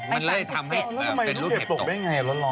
ไป๓๗แล้วทำไมลูกเห็บตกได้ไงร้อน